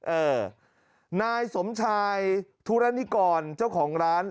เออนายสมชายธุระนิกรเจ้าของร้าน